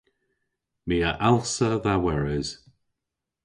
My a allsa dha weres.